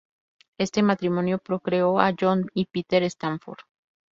Este matrimonio procreó a John y Peter Stafford.